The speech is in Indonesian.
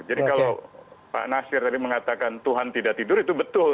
jadi kalau pak nasir tadi mengatakan tuhan tidak tidur itu betul